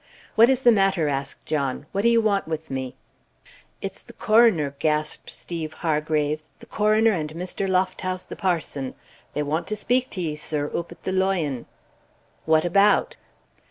"What is the matter?" asked John. "What do you want with me?" "It's th' coroner," gasped Stephen Hargraves "th' coroner and Mr. Lofthouse, th' parson they want to speak to ye, sir, oop at the Loi on." "What about?"